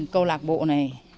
câu lạc bộ này